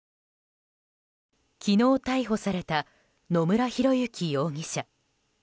昨日、逮捕された野村広之容疑者。